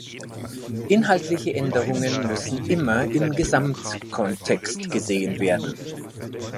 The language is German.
Inhaltliche Änderungen müssen immer im Gesamtkontext gesehen werden.